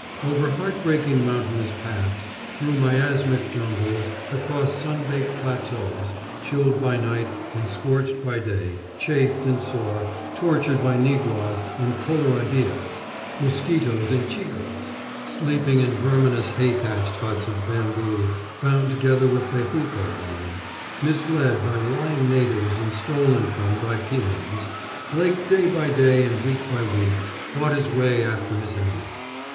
Over heartbreaking mountainous paths, through miasmic jungles, across sun baked plateaus, chilled by night and scorched by day, chafed and sore, tortured by niguas and coloradillas, mosquitoes and chigoes, sleeping in verminous hay thatched huts of bamboo bound together with bejuco vine, mislead by lying natives and stolen from by peons, Blake day by day and week by week fought his way after his enemy.